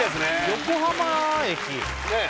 横浜駅ねえ